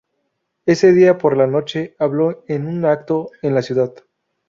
Ese día por la noche habló en un acto en la ciudad.